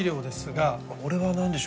これは何でしょう？